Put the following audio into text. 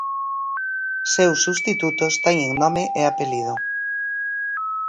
Seus substitutos teñen nome e apelido.